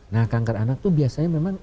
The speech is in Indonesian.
nah kanker anak itu biasanya memang